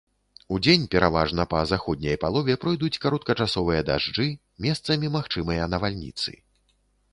Удзень, пераважна па заходняй палове, пройдуць кароткачасовыя дажджы, месцамі магчымыя навальніцы.